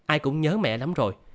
ai cũng nhớ mẹ lắm rồi